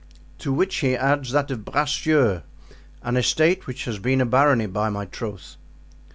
"To which he adds that of Bracieux, an estate which has been a barony, by my troth."